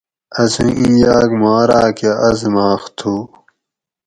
اسوں اِین یاگ ما راۤکہ آزماخ تھو